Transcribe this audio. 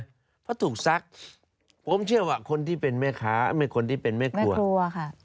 เพราะถูกซักผมเชื่อว่าคนที่เป็นแม่ค้าคนที่เป็นแม่ครัวค่ะ